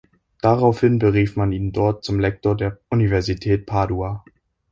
Daraufhin berief man ihn dort zum "lector" der Universität Padua.